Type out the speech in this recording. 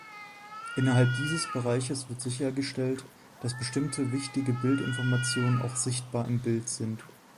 Innerhalb dieses Bereiches wird sichergestellt, dass bestimmte wichtige Bildinformationen auch sichtbar im Bild sind.